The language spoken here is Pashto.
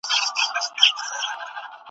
هر ملت خپل تاریخ لري.